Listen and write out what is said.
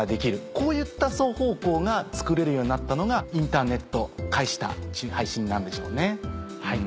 こういった双方向がつくれるようになったのがインターネットを介した配信なんでしょうね。